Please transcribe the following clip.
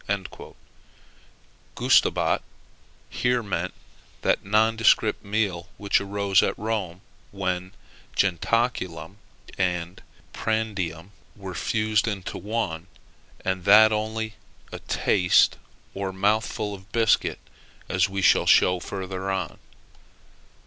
Gustabat here meant that nondescript meal which arose at Rome when jentaculum and prandium were fused into one, and that only a taste or mouthful of biscuit, as we shall show farther on.